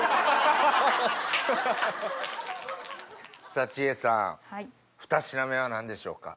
さぁ千絵さんふた品目は何でしょうか？